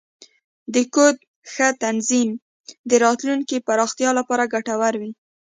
د کوډ ښه تنظیم، د راتلونکي پراختیا لپاره ګټور وي.